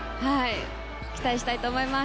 期待したいと思います。